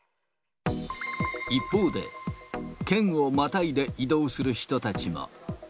一方で、県をまたいで移動する人たちも。